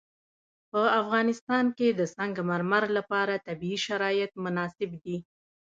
په افغانستان کې د سنگ مرمر لپاره طبیعي شرایط مناسب دي.